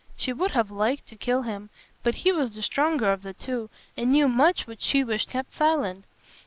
She would have liked to kill him, but he was the stronger of the two, and knew much which she wished kept silent.